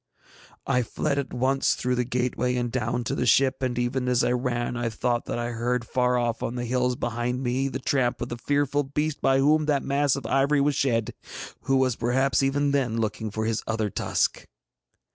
I fled at once through the gateway and down to the ship, and even as I ran I thought that I heard far off on the hills behind me the tramp of the fearful beast by whom that mass of ivory was shed, who was perhaps even then looking for his other tusk.